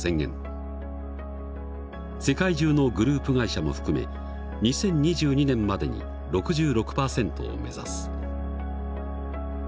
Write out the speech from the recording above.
世界中のグループ会社も含め２０２２年までに６６％を目指す。